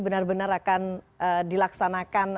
benar benar akan dilaksanakan